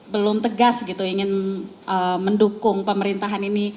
belum tegas gitu ingin mendukung pemerintahan ini